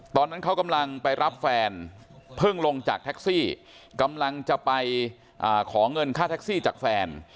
ตอนนั้นเขากำลังไปรับแฟนเพิ่งลงจากแท็กซี่กำลังจะไปขอเงินค่าแท็กซี่จากแฟน